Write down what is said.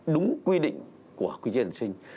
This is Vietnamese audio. đúng quy định của quy chế tuyển sinh